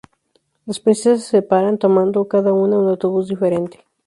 Las princesas se separan, tomando cada una un autobús diferente.